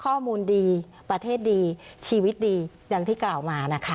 ข้อมูลดีประเทศดีชีวิตดีอย่างที่กล่าวมานะคะ